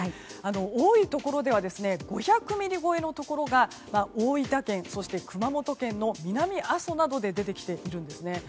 多いところでは５００ミリ超えのところが大分県そして熊本県の南阿蘇などで出てきているんですね。